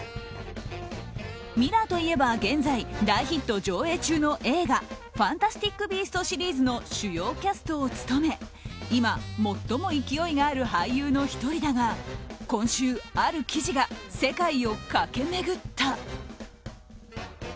ミラーといえば現在大ヒット上映中の映画「ファンタスティック・ビースト」シリーズの主要キャストを務め今、最も勢いがある俳優の１人だが今週、ある記事が世界を駆け巡った。